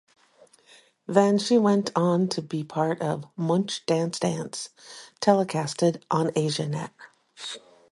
Then she went on to be part of "Munch Dance Dance" telecasted on Asianet.